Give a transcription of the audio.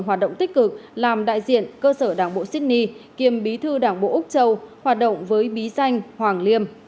hoạt động tích cực làm đại diện cơ sở đảng bộ sydney kiêm bí thư đảng bộ úc châu hoạt động với bí danh hoàng liêm